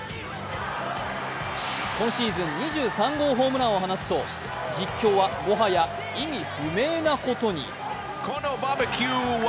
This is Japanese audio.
今シーズン２３号ホームランを放つと、実況は、もはや意味不明なことに。